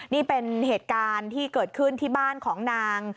นี่เป็นเหตุการณ์ที่เกิดขึ้นที่บ้านของนาง